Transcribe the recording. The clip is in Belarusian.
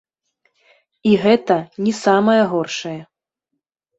І гэта не самае горшае.